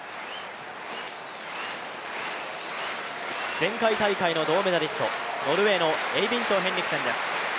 前回大会の銅メダリスト、ノルウェーエイビンド・ヘンリクセンです。